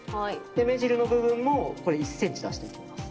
目尻の部分も１ｃｍ出していきます。